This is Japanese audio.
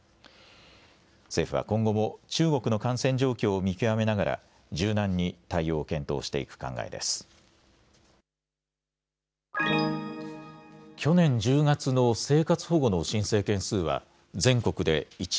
政府は今後も、中国の感染状況を見極めながら、柔軟に対応を検討していく考えです。